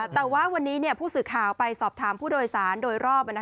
แต่ว่าวันนี้ผู้สื่อข่าวไปสอบถามผู้โดยสารโดยรอบ